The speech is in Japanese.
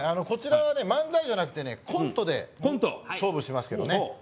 こちらは漫才じゃなくてコントで勝負しますけどね。